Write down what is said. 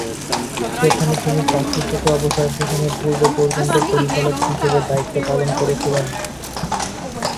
সেখানে তিনি চাকরি থেকে অবসর গ্রহণের পূর্ব পর্যন্ত পরিচালক হিসাবে দায়িত্ব পালন করেছিলেন।